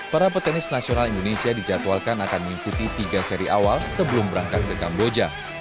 para petenis nasional indonesia dijadwalkan akan mengikuti tiga seri awal sebelum berangkat ke kamboja